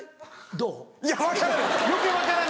「どう？」。